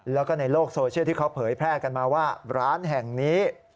แล้วก็ในโลกโซเชียลที่เขาเผยแพร่กันมาว่าร้านแห่งนี้